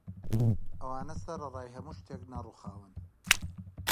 ئەوانە سەرەڕای هەموو شتێک نەڕووخاون